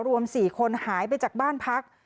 รวม๔คนหายไปจากบ้านพัก